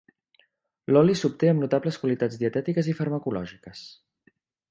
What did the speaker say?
L'oli s’obté amb notables qualitats dietètiques i farmacològiques.